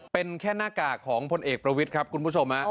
เป็นแค่หน้ากากของพลเอกประวิทย์ครับคุณผู้ชม